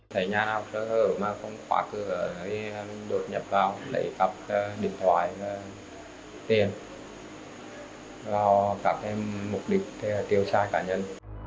thấy nhà nào có khóa cửa đột nhập vào lấy cặp điện thoại tiền vào các mục đích tiêu tra cá nhân